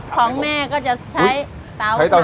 ของแม่ก็จะใช้เตา